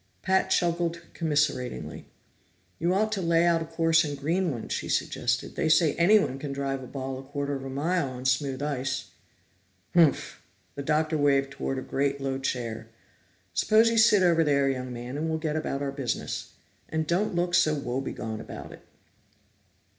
Pat chuckled commiseratingly. "You ought to lay out a course in Greenland," she suggested. "They say anyone can drive a ball a quarter of a mile on smooth ice." "Humph!" The Doctor waved toward a great, low chair. "Suppose you sit over there, young man, and we'll get about our business. And don't look so woe begone about it."